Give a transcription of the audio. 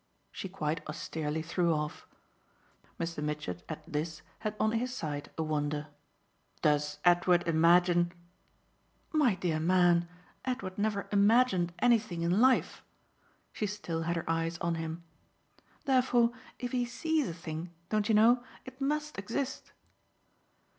she quite austerely threw off. Mr. Mitchett, at this, had on his side a wonder. "Does Edward imagine ?" "My dear man, Edward never 'imagined' anything in life." She still had her eyes on him. "Therefore if he SEES a thing, don't you know? it must exist."